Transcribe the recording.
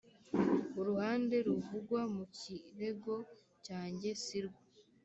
uruhande ruvugwa mu kirego cyanjye sirwo